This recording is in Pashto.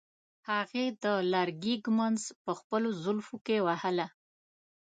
هغې د لرګي ږمنځ په خپلو زلفو کې وهله.